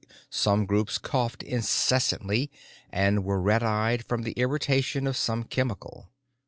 Some groups coughed incessantly and were red eyed from the irritation of some chemical.